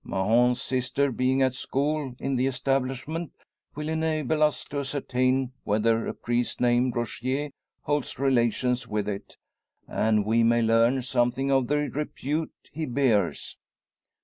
Mahon's sister being at school in the establishment will enable us to ascertain whether a priest named Rogier holds relations with it, and we may learn something of the repute he bears.